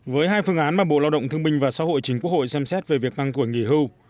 với hai phương án mà bộ lao động thương minh và xã hội chính quốc hội xem xét về việc tăng tuổi nghỉ hưu